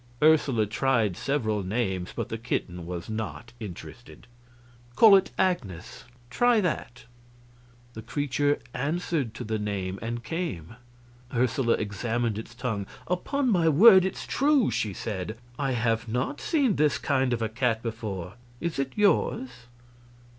Ursula tried several names, but the kitten was not interested. "Call it Agnes. Try that." The creature answered to the name and came. Ursula examined its tongue. "Upon my word, it's true!" she said. "I have not seen this kind of a cat before. Is it yours?"